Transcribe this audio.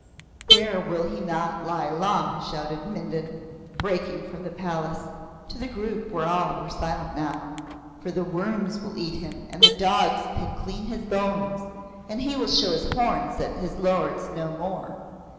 "There will he not lie long!" shouted Mindon, breaking from the palace to the group where all were silent now. "For the worms will eat him and the dogs pick clean his bones, and he will show his horns at his lords no more.